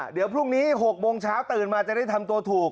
เดี๋ยวพรุ่งนี้๖โมงเช้าตื่นมาจะได้ทำตัวถูก